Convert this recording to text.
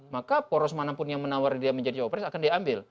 maka poros manapun yang menawar dia menjadi cawapres akan diambil